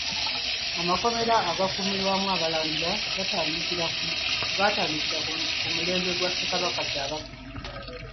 Amakomera agaakuumirwangamu Abalangira gaatandikira ku mulembe gwa Ssekabaka Kyabaggu.